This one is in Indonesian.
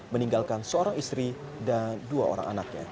meninggalkan seorang istri dan dua orang anaknya